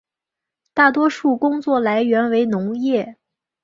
大多数工作来源为农业。